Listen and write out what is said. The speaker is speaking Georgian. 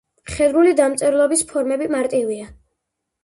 მხედრული დამწერლობის ფორმები მარტივია.